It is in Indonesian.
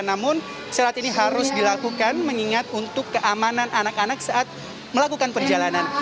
namun syarat ini harus dilakukan mengingat untuk keamanan anak anak saat melakukan perjalanan